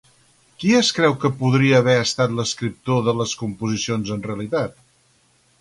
Qui es creu que podria haver estat l'escriptor de les composicions, en realitat?